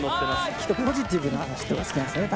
きっとポジティブな人が好きなんですね